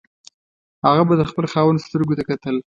هغه به د خپل خاوند سترګو ته کتل.